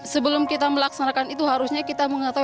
sebelum kita melaksanakan itu harusnya kita mengetahui